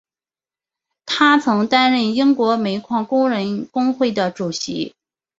他曾经担任英国煤矿工人工会的主席。